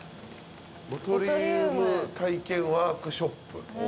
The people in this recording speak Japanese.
ボトリウム体験ワークショップ。